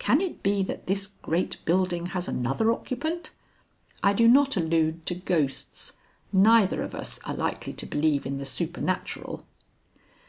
Can it be that this great building has another occupant? I do not allude to ghosts. Neither of us are likely to believe in the supernatural."